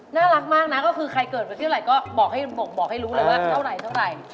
น่ารักมากนะก็คือใครเกิดไปที่ไหนก็บอกให้รู้เลยว่าเท่าไหร่